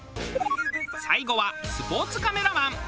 最後はスポーツカメラマン。